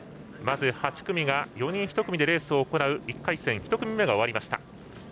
８組が４人１組でレースを行う１回戦の１組目が終わりました。